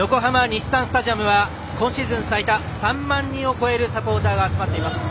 日産スタジアムは今シーズン最多３万人を超えるサポーターが集まっています。